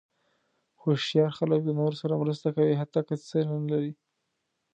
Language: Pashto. هوښیار خلک د نورو سره مرسته کوي، حتی که څه نه لري.